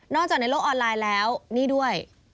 จากในโลกออนไลน์แล้วนี่ด้วย